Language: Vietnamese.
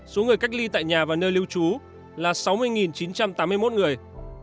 số người cách ly tại nhà và nơi lưu trú là sáu mươi chín trăm tám mươi một người